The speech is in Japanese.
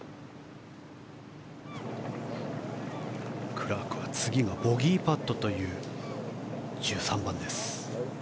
クラークは次がボギーパットという１３番です。